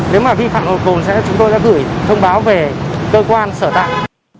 nếu mà vi phạm nồng độ cồn chúng tôi đã gửi thông báo về cơ quan sở tạng